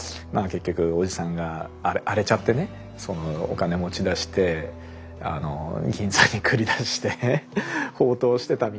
結局叔父さんが荒れちゃってねそのお金持ち出して銀座に繰り出して放蕩してたみたいな。